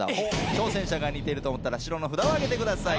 挑戦者が似ていると思ったら白の札を挙げてください。